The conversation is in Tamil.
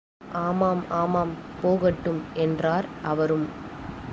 ஆமாம், ஆமாம் போகட்டும் என்றார் அவரும்.